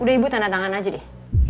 udah ibu tanda tangan aja deh